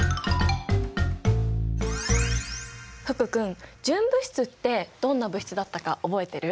福君純物質ってどんな物質だったか覚えてる？